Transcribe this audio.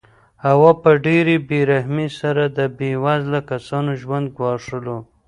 هوا په ډېرې بې رحمۍ سره د بې وزله کسانو ژوند ګواښلو.